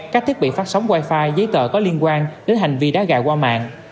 các thiết bị phát sóng wi fi giấy tờ có liên quan đến hành vi đá gà qua mạng